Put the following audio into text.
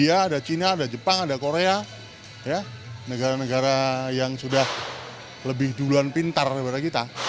ada china ada jepang ada korea negara negara yang sudah lebih duluan pintar daripada kita